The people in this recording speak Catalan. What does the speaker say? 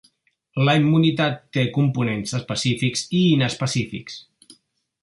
La immunitat té components específics i inespecífics.